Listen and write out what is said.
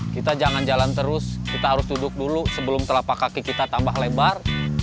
kita jangan jalan terus kita harus duduk dulu sebelum telapak kaki kita tambah lebar